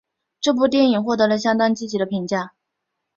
这部电影获得了相当积极的评价。